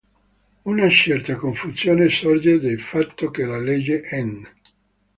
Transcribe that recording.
Una certa confusione sorge dal fatto che la legge n.